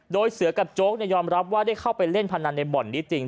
โดยเสือกับโจ๊กยอมรับว่าได้เข้าไปเล่นพนันในบ่อนนี้จริง